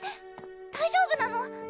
大丈夫なの？